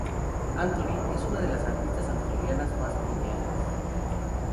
Anthony es una de las artistas australianas más premiadas.